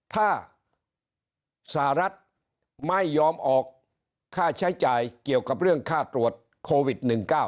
ถ้าสหรัฐไม่ยอมออกค่าใช้จ่ายเกี่ยวกับเรื่องค่าตรวจโควิด๑๙